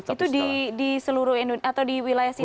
itu di seluruh indonesia atau di wilayah sini